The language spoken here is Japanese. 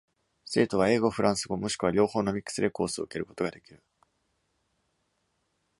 生徒は英語、フランス語もしくは両方のミックスでコースを受けることが出来る。